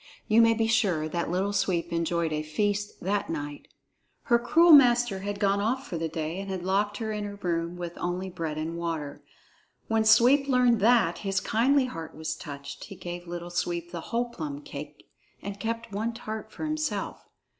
You may be sure that Little Sweep enjoyed a feast that night. Her cruel master had gone off for the day and had locked her in her room with only bread and water. When Sweep learned that, his kindly heart was touched; he gave Little Sweep the whole plum cake and kept but one tart for himself.